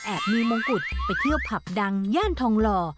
มีมงกุฎไปเที่ยวผับดังย่านทองหล่อ